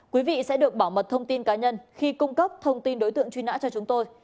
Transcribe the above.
quý vị sẽ được bảo mật thông tin cá nhân khi cung cấp thông tin đối tượng truy nã cho chúng tôi